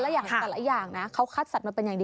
แล้วหาหลายอย่างเขาคัดสัตว์มาเป็นอย่างดี